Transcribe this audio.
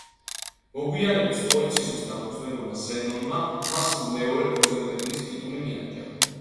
მოგვიანებით სტოიციზმის დამფუძნებელმა ზენონმა, მას მეორე ფუძემდებლის ტიტული მიანიჭა.